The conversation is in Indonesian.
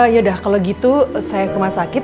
yaudah kalau gitu saya ke rumah sakit